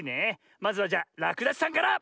まずはじゃらくだしさんから！